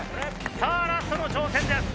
さあラストの挑戦です。